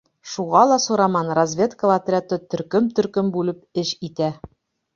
Шуға ла Сураман разведкала отрядты төркөм-төркөм бүлеп эш итә.